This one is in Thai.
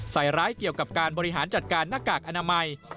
ใส่ร้ายเกี่ยวกับการบริหารจัดการหน้ากากอนามัย